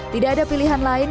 tidak ada pilihan lain